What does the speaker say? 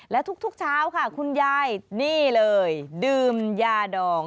และทุกเช้าค่ะคุณยายนี่เลยดื่มยาดอง